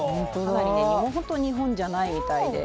日本じゃないみたいで。